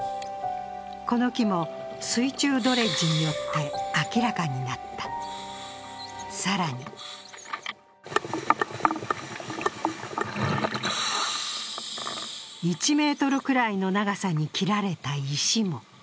この木も水中ドレッジによって明らかになった更に１ｍくらいの長さに切られた石も。